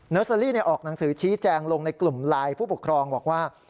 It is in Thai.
เซอรี่ออกหนังสือชี้แจงลงในกลุ่มไลน์ผู้ปกครองบอกว่า